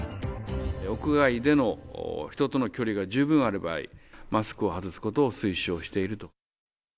屋外での人との距離が十分ある場合、マスクを外すことを推奨していると。